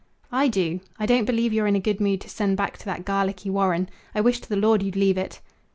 "I do. I don't believe you're in a good mood to send back to that garlicky warren. I wish to the Lord you'd leave it!"